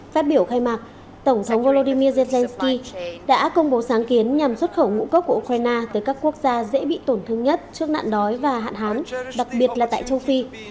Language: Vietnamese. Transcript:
phát biểu khai mạc tổng thống vladimir zelensky đã công bố sáng kiến nhằm xuất khẩu ngũ cốc của ukraine tới các quốc gia dễ bị tổn thương nhất trước nạn đói và hạn hán đặc biệt là tại châu phi